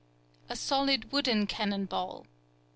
A solid wooden cannon ball.